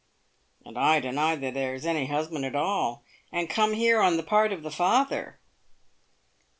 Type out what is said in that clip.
" And I deny that there is any husband at all, and come here on the part of the father."